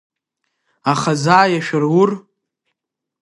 Аха заа иашәырур…